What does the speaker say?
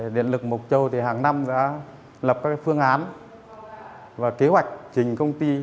điện lực mộc châu hàng năm đã lập các phương án và kế hoạch trình công ty